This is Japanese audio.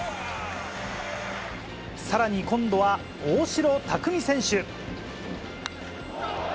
さらに今度は大城卓三選手。